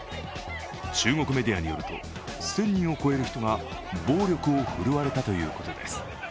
中国メディアによると、１０００人を超える人が暴力を振るわれたということです。